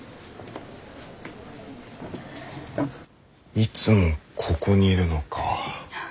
いつもここにいるのか。